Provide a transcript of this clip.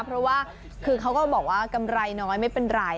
เพราะว่าคือเขาก็บอกว่ากำไรน้อยไม่เป็นไร